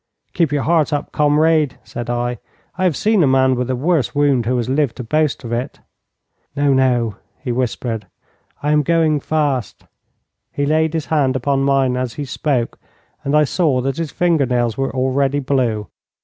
'Keep your heart up, comrade,' said I; 'I have seen a man with a worse wound who has lived to boast of it.' 'No, no,' he whispered; 'I am going fast.' He laid his hand upon mine as he spoke, and I saw that his finger nails were already blue.